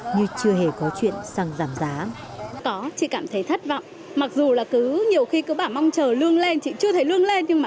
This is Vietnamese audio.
như chưa hề có chuyện xăng giảm giá